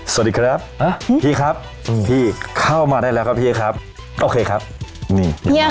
สวัสดีครับพี่ครับพี่เข้ามาได้แล้วครับพี่ครับโอเคครับนี่เดี๋ยว